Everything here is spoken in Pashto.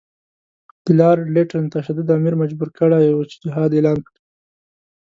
د لارډ لیټن تشدد امیر مجبور کړی وو چې جهاد اعلان کړي.